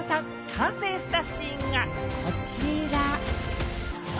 完成したシーンがこちら！